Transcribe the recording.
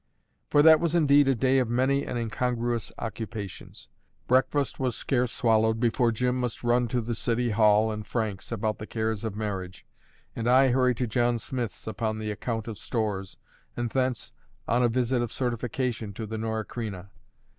For that was indeed a day of many and incongruous occupations. Breakfast was scarce swallowed before Jim must run to the City Hall and Frank's about the cares of marriage, and I hurry to John Smith's upon the account of stores, and thence, on a visit of certification, to the Norah Creina.